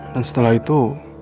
dan setelah itu